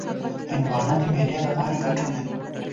هندوانه د معدې لپاره ګټه لري.